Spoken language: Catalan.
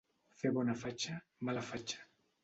Fer bona fatxa, mala fatxa.